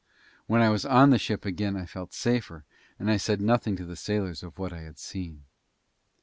When I was on the ship again I felt safer, and I said nothing to the sailors of what I had seen.